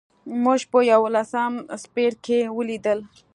موږ په یوولسم څپرکي کې ولیدل.